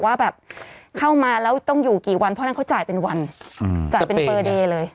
ว่าแบบเข้ามาแล้วต้องอยู่กี่วันเพราะนั้นเขาจ่ายเป็นวันจ่ายเป็นเปอร์เดย์เลย